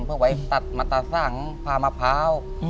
เพื่อไว้ตัดมาตาสังพามะพร้าว